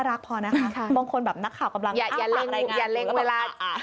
อย่าเล็งเวลากำลังรายงาน